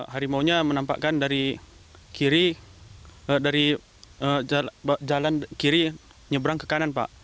harimaunya menampakkan dari kiri dari jalan kiri nyebrang ke kanan pak